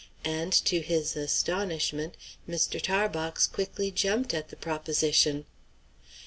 And, to his astonishment, Mr. Tarbox quickly jumped at the proposition.